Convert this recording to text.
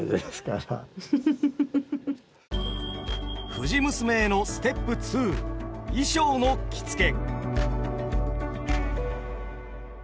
「藤娘」へのステップ２衣装の着付け。